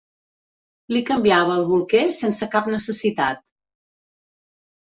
Li canviava el bolquer sense cap necessitat.